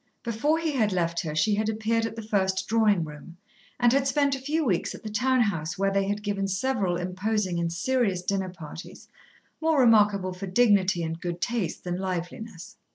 Before he had left her she had appeared at the first Drawing room, and had spent a few weeks at the town house, where they had given several imposing and serious dinner parties, more remarkable for dignity and good taste than liveliness.